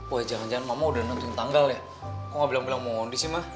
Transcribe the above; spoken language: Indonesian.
wah jangan jangan mama udah nentuin tanggal ya kok gak bilang bilang mondi sih ma